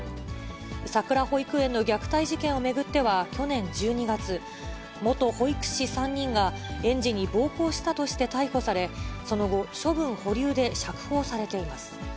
さくら保育園の虐待事件を巡っては去年１２月、元保育士３人が、園児に暴行したとして逮捕され、その後、処分保留で釈放されています。